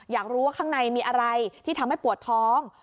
อยากรู้ว่าข้างในมีอะไรที่ทำให้ปวดท้อง